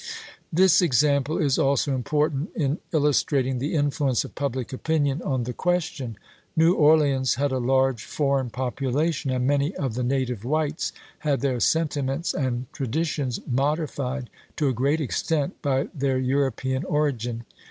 This example is also important in illustrating the influence of public opinion on the question. New Orleans had a large foreign population, and many of the native whites had their sentiments and tradi NEGKO SOLDIERS 451 tions modified to a great extent by their European chap. xx. origin.